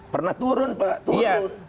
pernah turun pak turun